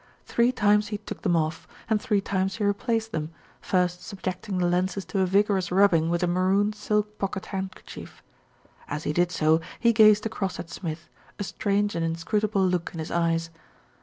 Three times he took them off, and three times he replaced them, first subjecting the lenses to a vigorous rubbing with a maroon silk pocket handkerchief. As he did so he gazed across at Smith, a strange and inscrutable look in his eyes.